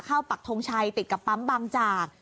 ปักทงชัยติดกับปั๊มบางจาก